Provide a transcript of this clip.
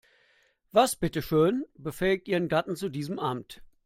Was bitteschön befähigt ihren Gatten zu diesem Amt?